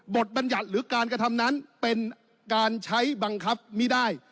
บัญญัติหรือการกระทำนั้นเป็นการใช้บังคับไม่ได้